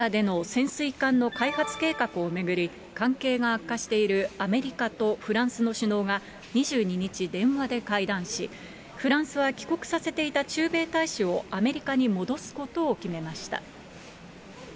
オーストラリアでの潜水艦の開発計画を巡り、関係が悪化している、アメリカとフランスの首脳が、２２日、電話で会談し、フランスは、帰国させていた駐米大使をアメリカに戻すことを決めました。